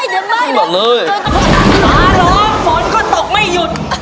นี่จะเจอพี่หนุ๊ยอย่างไรละเนี่ย